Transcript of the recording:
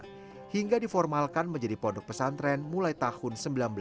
sehingga diformalkan menjadi pondok pesantren mulai tahun seribu sembilan ratus tiga puluh dua